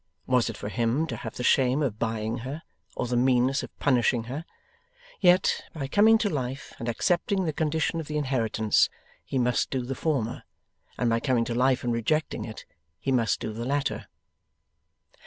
Was it for him to have the shame of buying her, or the meanness of punishing her? Yet, by coming to life and accepting the condition of the inheritance, he must do the former; and by coming to life and rejecting it, he must do the latter.